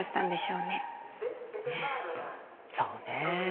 うんそうね。